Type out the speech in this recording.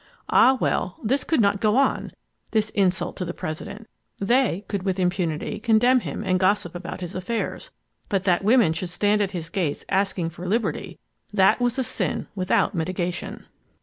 Ah well, this could not go on,—this insult to the President. They could with impunity condemn him and gossip about his affairs. But that women should stand at his gates asking for liberty—that was a sin without mitigation.